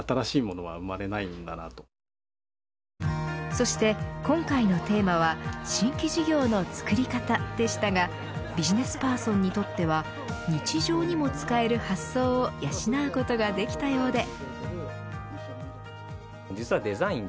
そして、今回のテーマは新規事業の作り方でしたがビジネスパーソンにとっては日常にも使える発想を養うことができたようです。